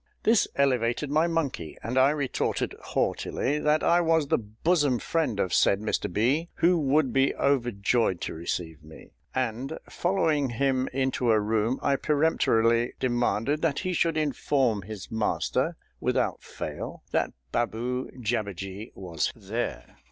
This elevated my monkey, and I retorted, haughtily, that I was the bosom friend of said Mr B., who would be overjoyed to receive me, and, following him into a room, I peremptorily demanded that he should inform his master without fail that Baboo JABBERJEE was there.